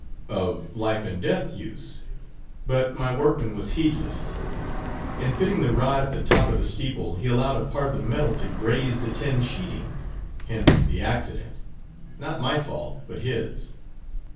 "Of life and death use. But my workman was heedless. In fitting the rod at top to the steeple, he allowed a part of the metal to graze the tin sheeting. Hence the accident. Not my fault, but his.